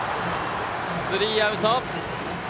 スリーアウト。